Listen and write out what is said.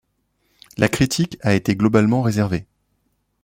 La critique a été globalement réservée.